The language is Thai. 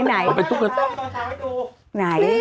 ไหนก็ไหน